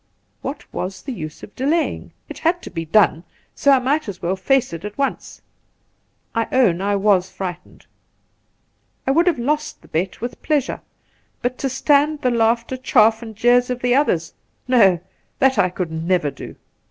What was the use of delaying ? It had to be done ; so I might as well face it at once. I own I was frightened. I would have lost the bet with pleasure, but to stand the laughter, chaff, and jeers of the others ! No I that I could never do.